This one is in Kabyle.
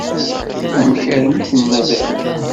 Amek armi i ten-mazal da?